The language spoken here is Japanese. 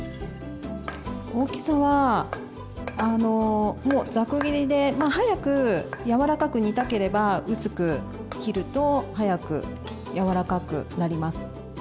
大きさはもうざく切りで早くやわらかく煮たければ薄く切ると早くやわらかくなります。